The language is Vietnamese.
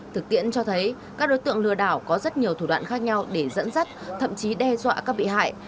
thực tiễn cho thấy các đối tượng lừa đảo có rất nhiều thủ đoạn khác nhau để dẫn dắt thậm chí đe dọa các bị hại